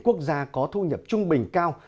quốc gia có thu nhập trung bình cao